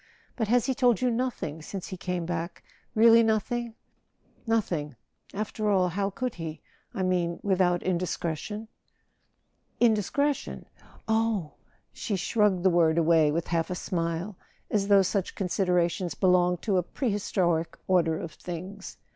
"But has he told you nothing since he came back—really nothing ?" "Nothing. After all—how could he? I mean, without indiscretion ?"[ 338 ] A SON AT THE FRONT "Indiscretion? Oh " She shrugged the word away with half a smile, as though such considerations belonged to a prehistoric order of things.